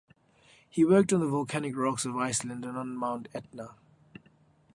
He worked on the volcanic rocks of Iceland and on Mount Etna.